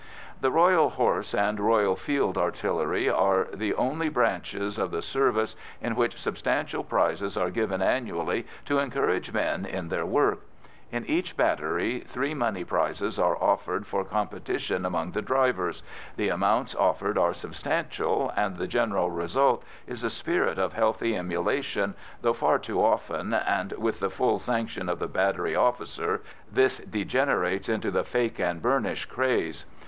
The Royal Horse and Royal Field Artillery are the only branches of the service in which substantial prizes are given annually to encourage men in their work. In each battery three money prizes are offered for competition among the drivers; the amounts offered are substantial, and the general result is a spirit of healthy emulation, though far too often, and with the full sanction of the battery officer, this degenerates into the "fake and burnish" craze.